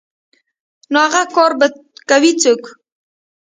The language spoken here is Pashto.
نو اغه کار به کوي څوک.